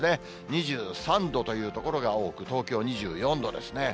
２３度という所が多く、東京２４度ですね。